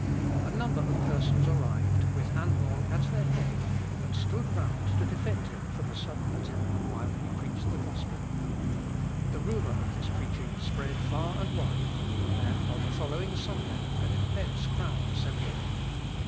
A number of persons arrived, with Anhorn at their head, and stood round to defend him from a sudden attack while he preached the gospel. The rumour of this preaching spread far and wide; and, on the following Sunday, an immense crowd assembled.